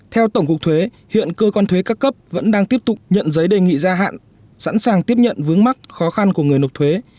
theo tổng cục thuế hiện cơ quan thuế các cấp vẫn đang tiếp tục nhận giấy đề nghị gia hạn sẵn sàng tiếp nhận vướng mắc khó khăn của người nộp thuế